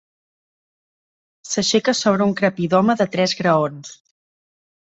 S'aixeca sobre un crepidoma de tres graons.